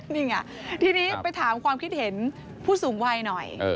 นี่ไงทีนี้ไปถามความคิดเห็นผู้สูงวัยหน่อย